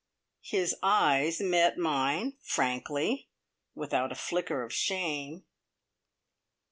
His eyes met mine, frankly, without a flicker of shame.